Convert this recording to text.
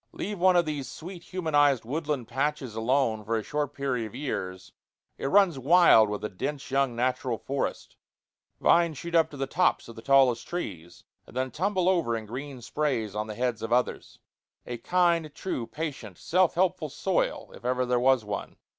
Leave one of these sweet, humanized woodland pastures alone for a short period of years, it runs wild with a dense young natural forest; vines shoot up to the tops of the tallest trees, and then tumble over in green sprays on the heads of others. [Illustration: CATTLE IN A BLUE GRASS PASTURE.] A kind, true, patient, self helpful soil if ever there was one!